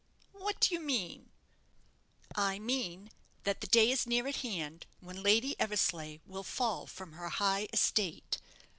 "What do you mean?" "I mean that the day is near at hand when Lady Eversleigh will fall from her high estate.